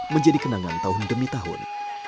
menjadi kenangan tahun demi tahun